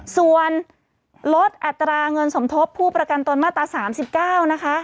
ส่วนลดอัตราเงินสมทบผู้ประกันตนมาตรา๓๙นะคะ